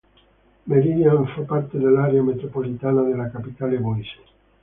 Meridian fa parte dell'area metropolitana della capitale Boise.